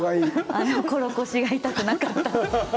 あのころは腰が痛くなかった。